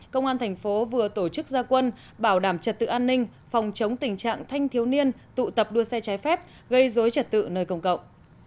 công an thành phố vừa tổ chức gia quân bảo đảm trật tự an ninh phòng chống tình trạng thanh thiếu niên tụ tập đua xe trái phép gây dối trật tự nơi công cộng